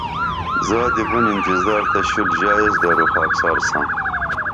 زادی بُن انتظار تہ شُل ژا ایس دروخاکسار ساں